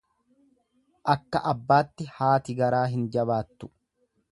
Akka abbaatti haati garaa hin jabaattu.